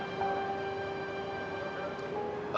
boleh aku nengok dia